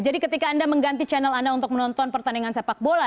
jadi ketika anda mengganti channel anda untuk menonton pertandingan sepak bola